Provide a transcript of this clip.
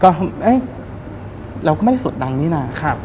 ก็เราก็ไม่ได้สดดังนี่นะ